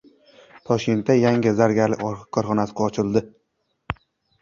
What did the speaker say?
Toshkentda yangi zargarlik korxonasi ochildi